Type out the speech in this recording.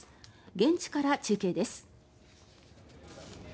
現地から中継です。